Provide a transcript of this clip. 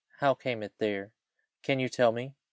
How came it there? Can you tell me?"